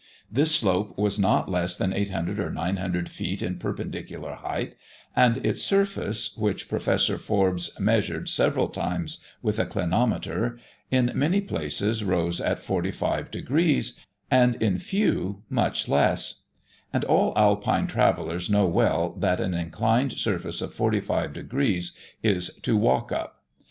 This slope was not less than 800 or 900 feet in perpendicular height, and its surface (which Professor Forbes measured several times with a clinometer,) in many places rose at 45 degrees, and in few much less; and all Alpine travellers know well what an inclined surface of 45 degrees is to walk up.